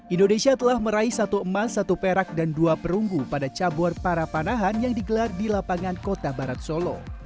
indonesia telah meraih satu emas satu perak dan dua perunggu pada cabur para panahan yang digelar di lapangan kota barat solo